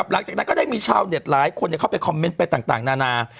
หลังจากนั้นก็ได้มีชาวเน็ตหลายคนเข้าไปคอมเมนต์ไปต่างนานา